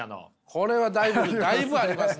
これはだいぶだいぶありますね